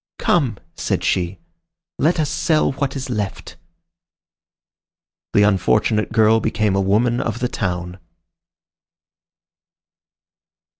"Come!" said she, "let us sell what is left." The unfortunate girl became a woman of the town.